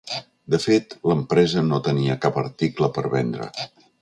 De fet, l'empresa no tenia cap article per vendre.